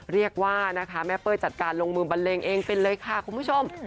เรียกว่านะคะแม่เป้ยจัดการลงมือบันเลงเองเป็นเลยค่ะคุณผู้ชม